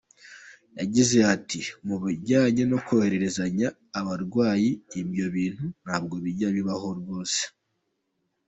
Yagize ati “Mu bijyanye no kohererezanya abarwayi ibyo bintu ntabwo bijya bibaho rwose.